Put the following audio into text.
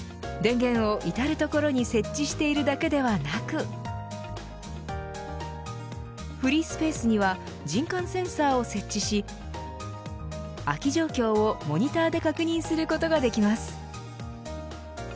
電源を至る所に設置しているだけではなくフリースペースには人感センサーを設置し空き状況をモニターで確認することができます。